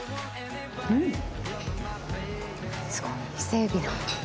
すごい伊勢海老だ。